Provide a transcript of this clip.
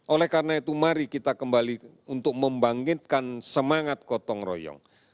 oleh karena itu mari kita kembali untuk membangkitkan semangat gotong royong